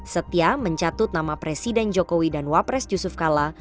setia mencatut nama presiden jokowi dan wapres yusuf kala